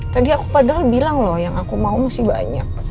tadi aku padahal bilang loh yang aku mau masih banyak